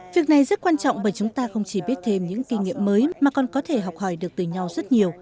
việc này rất quan trọng bởi chúng ta không chỉ biết thêm những kinh nghiệm mới mà còn có thể học hỏi được từ nhau rất nhiều